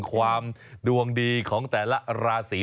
ความดวงดีของแต่ละราศี